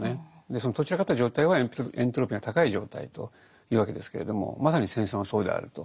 そのとっ散らかった状態はエントロピーが高い状態というわけですけれどもまさに戦争がそうであると。